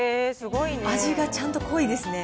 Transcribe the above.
味がちゃんと濃いですね。